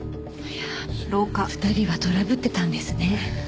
いやあ２人はトラブってたんですね。